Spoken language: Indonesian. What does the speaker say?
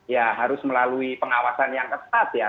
ya harus melalui pengawasan yang ketat ya